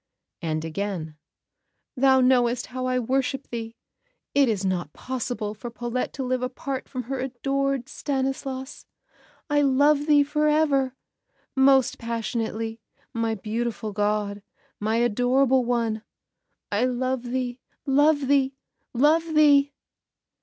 And again, "Thou knowest how I worship thee. It is not possible for Paulette to live apart from her adored Stanislas. I love thee for ever, most passionately, my beautiful god, my adorable one I love thee, love thee, love thee!"